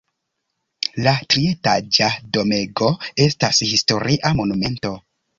La trietaĝa domego estas historia monumento.